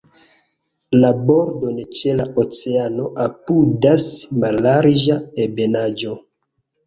La bordon ĉe la oceano apudas mallarĝa ebenaĵo.